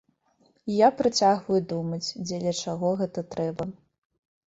І я працягваю думаць, дзеля чаго гэта трэба.